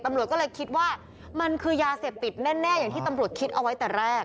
ตำรวจก็เลยคิดว่ามันคือยาเสพติดแน่อย่างที่ตำรวจคิดเอาไว้แต่แรก